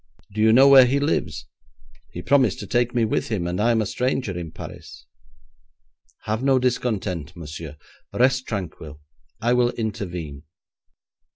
'Do you know where he lives? He promised to take me with him, and I am a stranger in Paris.' 'Have no discontent, monsieur. Rest tranquil; I will intervene.'